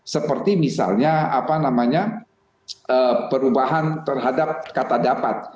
seperti misalnya apa namanya perubahan terhadap kata dapat